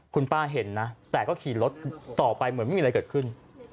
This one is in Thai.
คุณป้าเห็นนะแต่ก็ขี่รถต่อไปเหมือนไม่มีอะไรเกิดขึ้น